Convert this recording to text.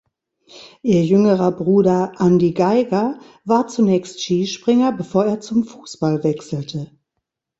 Ihr jüngerer Bruder Andi Geiger war zunächst Skispringer, bevor er zum Fußball wechselte.